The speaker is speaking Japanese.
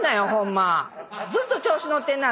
ずっと調子乗ってんな！